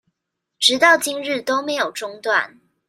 直到今日都沒有中斷